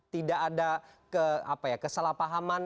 tidak ada kesalahpahaman